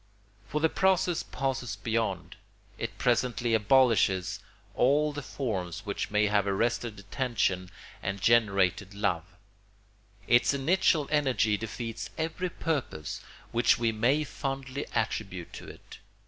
For the process passes beyond. It presently abolishes all the forms which may have arrested attention and generated love; its initial energy defeats every purpose which we may fondly attribute to it.